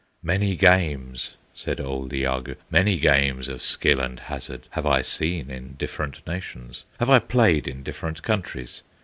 "Many games," said old Iagoo, "Many games of skill and hazard Have I seen in different nations, Have I played in different countries.